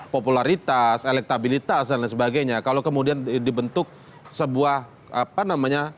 popularitas elektabilitas dan lain sebagainya kalau kemudian dibentuk sebuah apa namanya